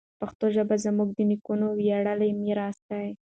پښتو ژبه زموږ د نیکونو ویاړلی میراث ده.